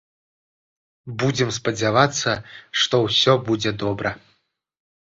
Будзем спадзявацца, што ўсё будзе добра.